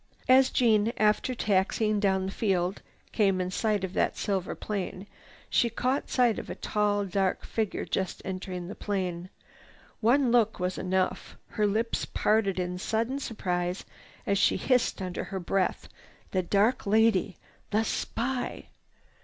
As Jeanne, after taxiing down the field, came in sight of that silver plane, she caught sight of a tall dark figure just entering the plane. One look was enough. Her lips parted in sudden surprise as she hissed under her breath: "The dark lady! The spy!"